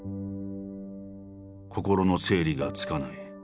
心の整理がつかない。